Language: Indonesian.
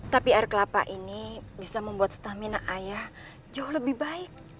tapi air kelapa ini bisa membuat stamina ayah jauh lebih baik